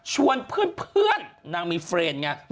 ชวนเพื่อนนางมีเฟรนด์ไง